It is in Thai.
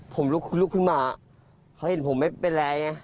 ผมลุกขึ้นมาเขาเห็นผมไม่เป็นไรไง